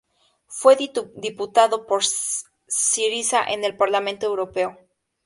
Fue diputado por Syriza en el Parlamento Europeo.